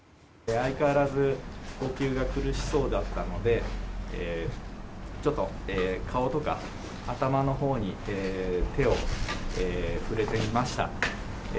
相変わらず呼吸が苦しそうだったのでちょっと顔とか頭のほうに手を触れてみました。